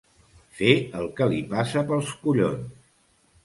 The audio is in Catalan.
Fer el que li passa pels collons.